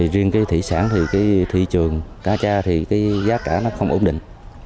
riêng thị sản thì thị trường ta cha thì giá cả không ổn định